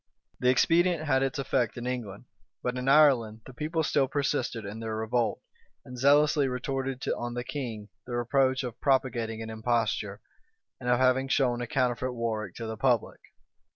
The expedient had its effect in England: but in Ireland the people still persisted in their revolt, and zealously retorted on the king the reproach of propagating an imposture, and of having shown a counterfeit Warwick to the public.